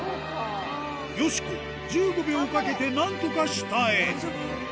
よしこ、１５秒かけてなんとか下へ。